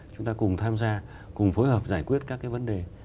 chúng ta cùng tham gia cùng phối hợp giải quyết các cái vấn đề